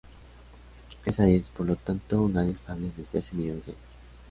Esa es, por lo tanto, un área estable desde hace millones de años.